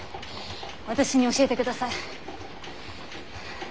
私に教えてください。